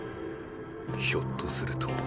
ひょっとするとーー。